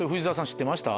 知ってました？